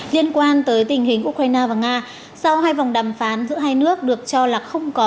liên quan tới tình hình ukraine và nga sau hai vòng đàm phán giữa hai nước được cho là không có